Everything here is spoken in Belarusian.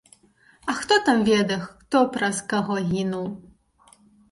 А хто там ведае, хто праз каго гінуў?